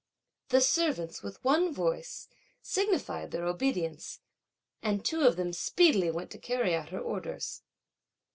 The servants with one voice signified their obedience, and two of them speedily went to carry out her orders.